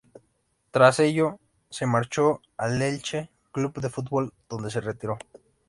Tras ello, se marchó al Elche Club de Fútbol, donde se retiró.